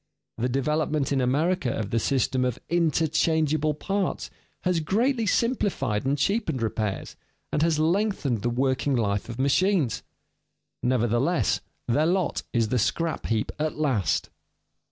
The development in America of the system of "interchangable parts" has greatly simplified and cheapened repairs, and has lengthened the working life of machines; nevertheless their lot is the scrap heap at last.